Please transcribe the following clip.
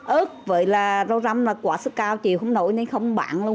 ước với rau răm là quả sức cao chịu không nổi nên không bán luôn